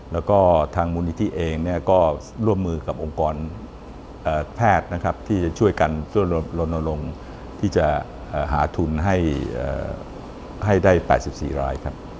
แล้วก็ทางมูลนิธิเองก็ร่วมมือกับองค์กรแพทย์นะครับที่จะช่วยกันช่วยลนลงที่จะหาทุนให้ได้๘๔รายครับ